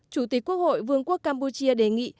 chủ tịch quốc hội vương quốc campuchia đề nghị